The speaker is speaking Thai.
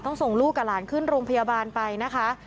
ส่งลูกกับหลานขึ้นโรงพยาบาลไปนะคะ